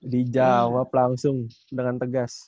dijawab langsung dengan tegas